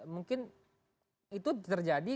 mungkin itu terjadi